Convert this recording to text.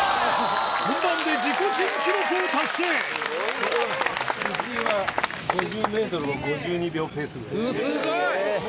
本番で自己新記録を達成スゴい！